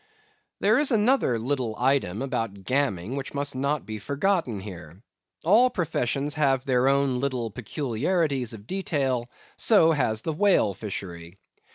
_ There is another little item about Gamming which must not be forgotten here. All professions have their own little peculiarities of detail; so has the whale fishery.